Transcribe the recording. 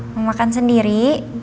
mau makan sendiri